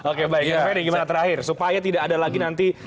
oke baik ferry gimana terakhir supaya tidak ada lagi nanti